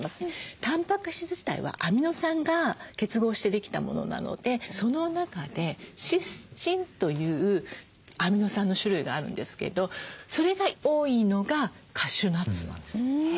たんぱく質自体はアミノ酸が結合してできたものなのでその中でシスチンというアミノ酸の種類があるんですけどそれが多いのがカシューナッツなんです。